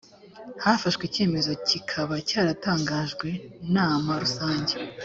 hafashwe icyemezo kikaba cyaratangajwe nama rusange